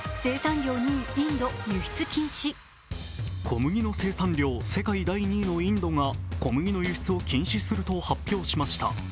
小麦の生産量世界第２位のインドが小麦の輸出を禁止すると発表しました。